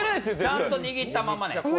ちゃんと握ったままね。